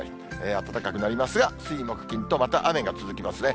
暖かくなりますが、水、木、金とまた雨が続きますね。